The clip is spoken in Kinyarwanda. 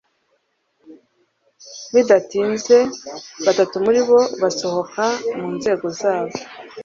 bidatinze batatu muri bo basohoka mu nzego zabo